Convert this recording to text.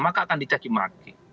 maka akan dicacimaki